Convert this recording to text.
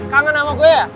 kangen sama gue